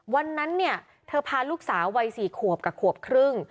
วันนั้นเนี่ยเธอพาลูกสาววัย๔ขวบกับขวบครึ่ง